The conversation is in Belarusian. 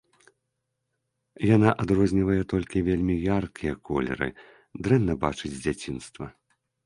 Яна адрознівае толькі вельмі яркія колеры, дрэнна бачыць з дзяцінства.